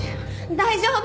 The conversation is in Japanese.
大丈夫！